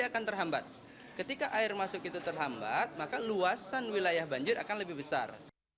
akan terhambat ketika air masuk itu terhambat maka luasan wilayah banjir akan lebih besar